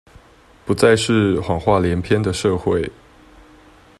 不再是謊話連篇的社會